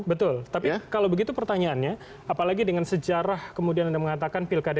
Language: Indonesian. betul tapi kalau begitu pertanyaannya apalagi dengan sejarah kemudian anda mengatakan pilkada dki